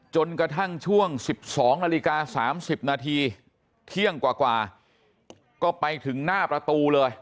จนกระทั่งช่วง๑๒นาฬิกา๓๐นาทีเที่ยงกว่าก็ไปถึงหน้าประตูเลย